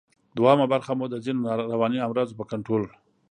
دوهمه برخه مو د ځینو رواني امراضو په کنټرول